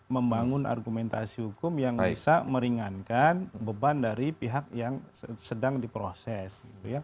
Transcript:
membangun argumentasi hukum yang bisa meringankan beban dari pihak yang sedang diproses